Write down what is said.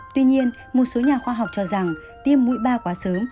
tuy nhiên một số nhà khoa học cho rằng tiêm mũi ba quá sớm